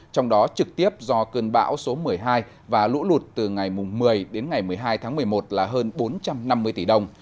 trong đó trực tiếp do cơn bão số một mươi hai và lũ lụt từ ngày một mươi đến ngày một mươi hai tháng một mươi một là hơn bốn trăm năm mươi tỷ đồng